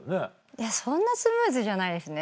いやそんなスムーズじゃないですね